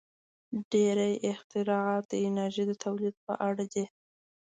• ډېری اختراعات د انرژۍ د تولید په اړه دي.